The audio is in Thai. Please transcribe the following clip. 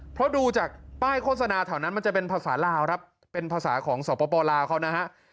เพราะดูจากป้ายโฆษณาแถวนั้นมันจะเป็นภาษาลาวครับเป็นภาษาของสปลาวเขานะฮะ